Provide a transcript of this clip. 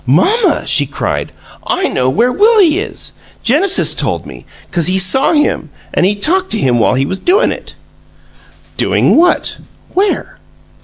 "Mamma," she cried, "I know where Willie is! Genesis told me, 'cause he saw him, an' he talked to him while he was doin' it." "Doing what? Where?"